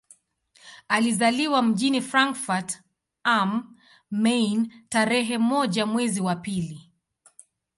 Alizaliwa mjini Frankfurt am Main tarehe moja mwezi wa pili